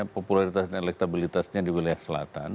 popularitas dan elektabilitasnya di wilayah selatan